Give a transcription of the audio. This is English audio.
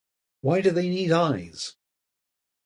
Why do they need eyes?